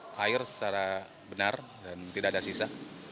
kondisi karet wiper secara benar dan tidak ada sisa